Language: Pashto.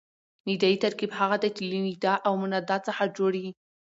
ندایي ترکیب هغه دئ، چي له ندا او منادا څخه جوړ يي.